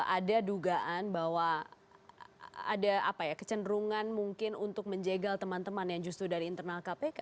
ada dugaan bahwa ada kecenderungan mungkin untuk menjegal teman teman yang justru dari internal kpk